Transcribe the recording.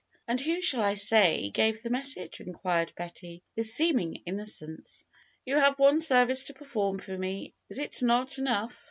'^ "And who shall I say gave the message inquired Betty with seeming innocence. "You have one service to perform for me, is it not enough?